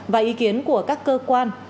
và ý kiến của các cơ quan